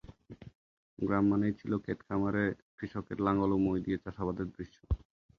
গ্রাম মানেই ছিল ক্ষেতে খামারে কৃষকের লাঙল ও মই দিয়ে চাষাবাদের দৃশ্য।